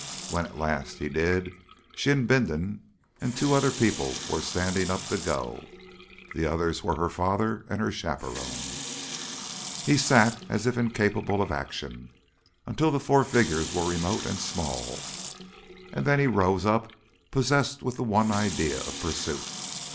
When at last he did, she and Bindon and two other people were standing up to go. The others were her father and her chaperone. He sat as if incapable of action until the four figures were remote and small, and then he rose up possessed with the one idea of pursuit.